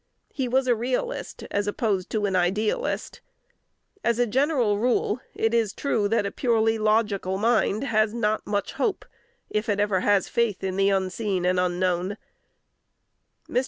He was a realist as opposed to an idealist. As a general rule, it is true that a purely logical mind has not much hope, if it ever has faith in the unseen and unknown. Mr.